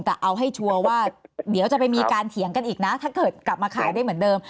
แต่เอาให้ชัวร์ว่าเดี๋ยวจะไปมีการเถียงกันอีกนะถ้าเกิดกลับมาขายได้เหมือนเดิม